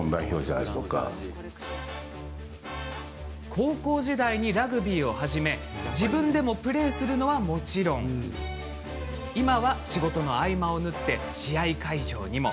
高校時代にラグビーを始め自分でもプレーするのはもちろん今は仕事の合間を縫って試合会場にも。